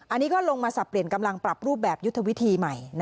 อันนี้ก็ลงมาสับเปลี่ยนกำลังปรับรูปแบบยุทธวิธีใหม่